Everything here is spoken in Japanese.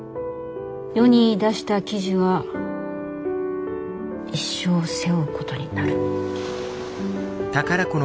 世に出した記事は一生背負うことになる。